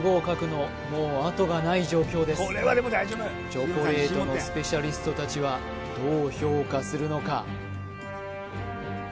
チョコレートのスペシャリスト達はどう評価するのか？